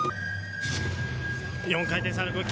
４回転サルコウ。